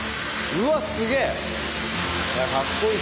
うわっすげえ！